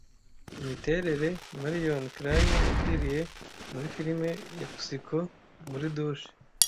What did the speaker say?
Imiterere Marion Crane yapfiriye muri film ya Psycho muri douche